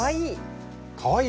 かわいい！